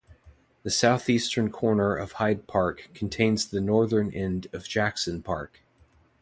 The southeastern corner of Hyde Park contains the northern end of Jackson Park.